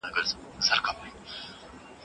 چې زمرد يې پيداوار دی